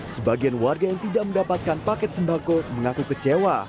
sebagian warga yang tidak mendapatkan paket sembako mengaku kecewa